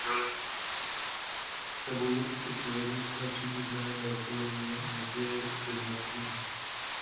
S sebou si přivedl své příbuzné Bartoloměje a Matěje De Martini.